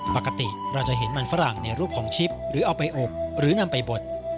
ปกติเราจะเห็นมันฝรั่งในรูปของชิปหรือเอาไปอบหรือนำไปบด